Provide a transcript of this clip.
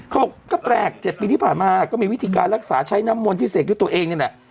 เขาบอกก็แปลก๗ปีที่ผ่านมาก็มีวิธีการรักษาใช้น้ำมนต์ที่เสกด้วยตัวเองนี่แหละ